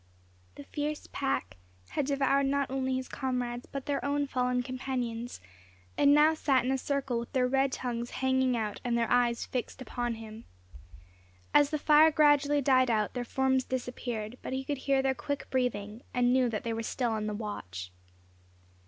The fierce pack had devoured not only his comrades, but their own fallen companions, and now sat in a circle with their red tongues hanging out and their eyes fixed upon him. As the fire gradually died out their forms disappeared; but he could hear their quick breathing, and knew that they were still on the watch.